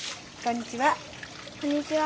こんにちは。